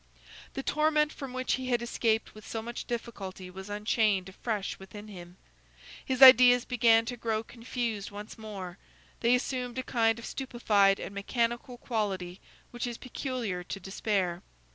The torment from which he had escaped with so much difficulty was unchained afresh within him. His ideas began to grow confused once more; they assumed a kind of stupefied and mechanical quality which is peculiar to despair.